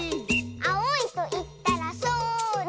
「あおいといったらそら！」